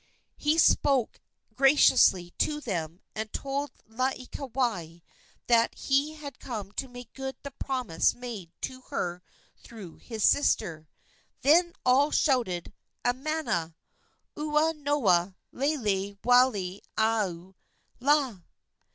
He spoke graciously to them, and told Laieikawai that he had come to make good the promise made to her through his sister. Then all shouted, "Amana! ua noa, lele wale aku la!"